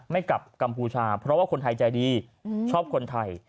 กลับกัมพูชาเพราะว่าคนไทยใจดีชอบคนไทย